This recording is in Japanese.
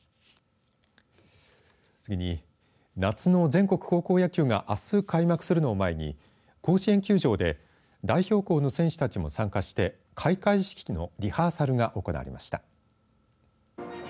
次に夏の全国高校野球があす開幕するのを前に甲子園球場で代表校の選手たちも参加して開会式のリハーサルが行われました。